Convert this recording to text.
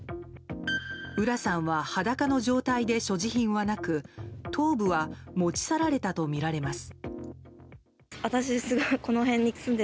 浦さんは裸の状態で所持品はなく頭部は持ち去られたとみられます。